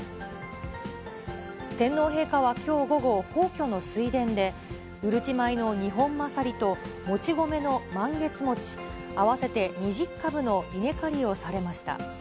天皇陛下はきょう午後、皇居の水田で、うるち米のニホンマサリと、もち米のマンゲツモチ、合わせて２０株の稲刈りをされました。